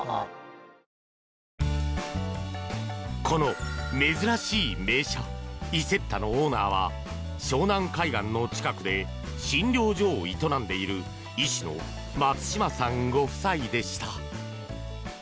この珍しい名車イセッタのオーナーは湘南海岸の近くで診療所を営んでいる医師の松島さんご夫妻でした。